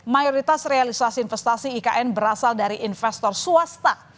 mayoritas realisasi investasi ikn berasal dari investor swasta